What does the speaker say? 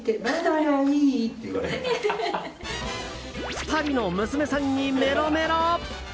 ２人の娘さんにメロメロ。